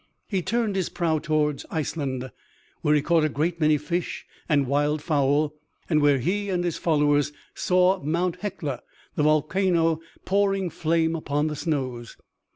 He turned his prow toward Iceland where he caught a great many fish and wild fowl and where he and his followers saw Mount Hecla, the volcano, pouring flame upon the snows.